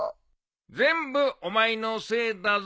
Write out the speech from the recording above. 全部お前のせいだぞ。